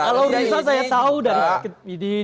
kalau bisa saya tahu dari